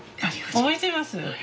覚えてます？